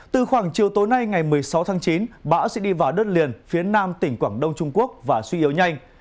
từ khoảng chiều tối nay ngày một mươi sáu tháng chín bão sẽ đi vào đất liền phía nam tỉnh quảng đông trung quốc và suy yếu nhanh